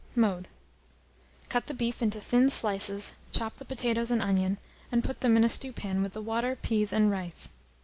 Mode. Cut the beef into thin slices, chop the potatoes and onion, and put them in a stewpan with the water, peas, and rice.